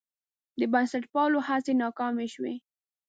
د بنسټپالو هڅې ناکامې شوې.